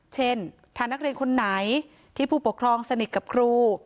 เช่นถ้านักเรียนคนไหนที่ผู้ปกครองสนิทกับครู